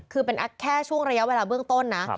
คือเป็นแค่ช่วงระยะเวลาเบื้องต้นนะ